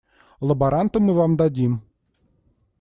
Лаборанта мы вам дадим.